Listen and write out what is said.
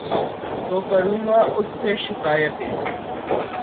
تو کروں گا اُس سے شکائتیں